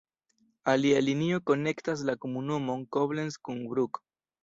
Alia linio konektas la komunumon Koblenz kun Brugg.